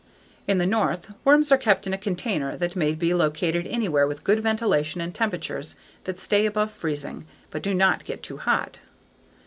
In the North, worms are kept in a container that may be located anywhere with good ventilation and temperatures that stay above freezing but do not get too hot.